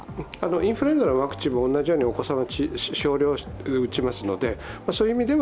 インフルエンザのワクチンも同じようにお子さんは少量打ちますので、そういう意味でも